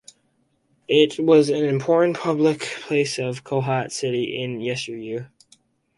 It was an important public place of Kohat city in yesteryear.